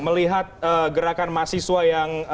melihat gerakan mahasiswa yang